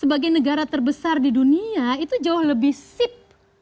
sebagai negara terbesar di dunia itu jauh lebih sip